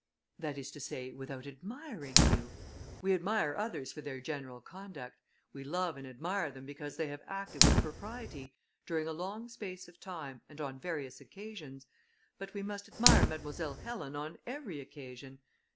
"That is to say, without admiring you. We admire others for their general conduct; we love and admire them because they have acted with propriety, during a long space of time, and on various occasions; but we must admire Mademoiselle Helen on every occasion.